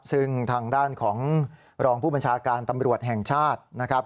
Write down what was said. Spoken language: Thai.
ซึ่งทางด้านของรองผู้บัญชาการตำรวจแห่งชาตินะครับ